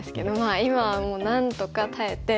今はもうなんとか耐えて頑張って。